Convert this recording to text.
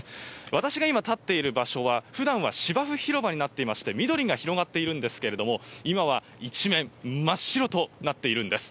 私が今立っている場所は普段は芝生広場になっていまして、緑が広がっているんですけれども、今は一面、真っ白となっているんです。